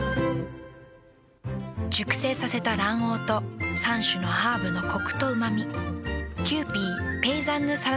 熟成させた卵黄と３種のハーブのコクとうま味。